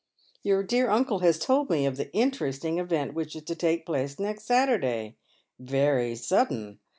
Your dear uncle has told me of the interesting event which is to take place next Saturday. Very sudden